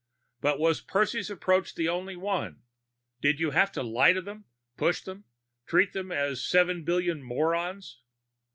But was Percy's approach the only one? Did you have to lie to them, push them, treat them as seven billion morons?